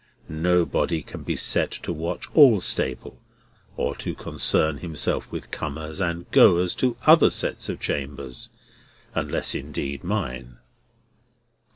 Nobody can be set to watch all Staple, or to concern himself with comers and goers to other sets of chambers: unless, indeed, mine."